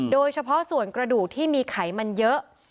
โดยเฉพาะส่วนกระดูกที่มีไขมันเยอะ